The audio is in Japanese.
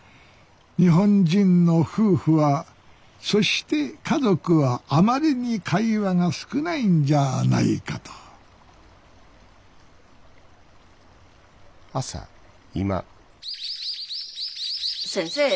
日本人の夫婦はそして家族はあまりに会話が少ないんじゃないかと先生。